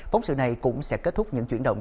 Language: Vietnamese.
phóng sự này cũng sẽ kết thúc những chuyển động